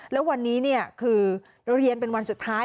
แล้ววันนี้คือเราเรียนเป็นวันสุดท้าย